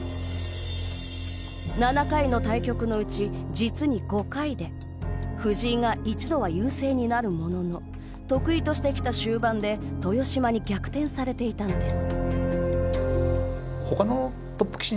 ７回の対局のうち、実に５回で藤井が一度は優勢になるものの得意としてきた終盤で豊島に逆転されていたのです。